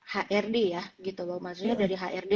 hrd ya gitu loh maksudnya dari hrd